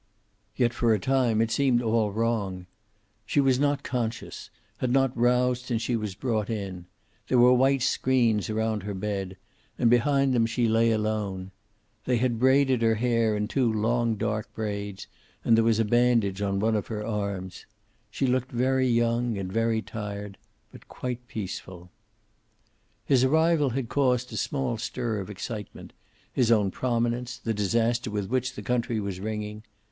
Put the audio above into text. Yet, for a time, it seemed all wrong. She was not conscious, had not roused since she was brought it. There were white screens around her bed, and behind them she lay alone. They had braided her hair in two long dark braids, and there was a bandage on one of her arms. She looked very young and very tired, but quite peaceful. His arrival had caused a small stir of excitement, his own prominence, the disaster with which the country was ringing.